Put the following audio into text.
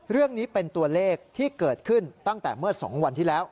เรื่องนี้เป็นตัวเลขที่เกิดขึ้นตั้งแต่เมื่อ๒วันที่แล้ว